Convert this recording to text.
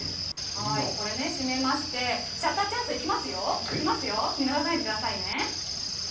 これ、閉めまして、シャッターチャンス、いきますよ、見逃さないでくださいね。